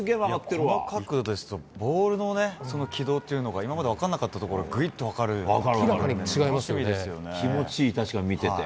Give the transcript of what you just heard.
この角度ですとボールの軌道というのが今まで分からなかったところが気持ちいい、見てて。